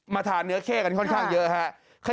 ทานเนื้อเข้กันค่อนข้างเยอะครับ